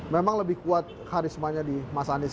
memang lebih kuat karismanya di mas anies